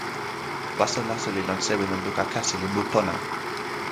waso laso li lon sewi lon luka kasi li mu pona.